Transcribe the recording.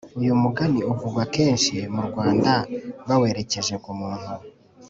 uyu mugani uvugwa kenshi mu rwanda bawerekeje ku muntu,